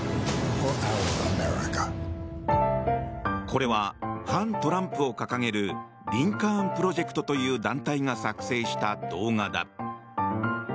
これは反トランプを掲げるリンカーン・プロジェクトという団体が作成した動画だ。